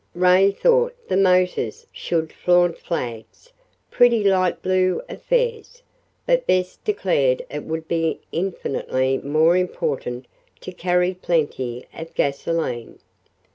Ray thought the motors should flaunt flags pretty light blue affairs but Bess declared it would be infinitely more important to carry plenty of gasoline.